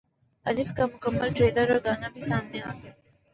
الف کا مکمل ٹریلر اور گانا بھی سامنے گیا